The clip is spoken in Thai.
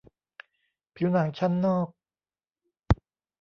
ผิวหนังชั้นนอก